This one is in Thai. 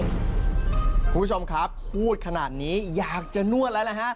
คุณผู้ชมครับพูดขนาดนี้อยากจะนวดแล้วนะฮะ